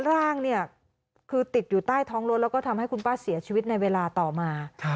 ร่างเนี่ยคือติดอยู่ใต้ท้องรถแล้วก็ทำให้คุณป้าเสียชีวิตในเวลาต่อมา